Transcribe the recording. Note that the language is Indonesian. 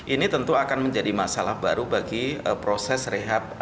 ini tentu akan menjadi masalah baru bagi proses rehab